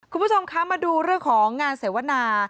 คุณผู้ชมคะมาดูเรื่องของงานเสวนา